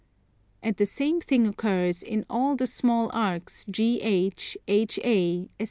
And the same thing occurs in all the small arcs GH, HA, etc.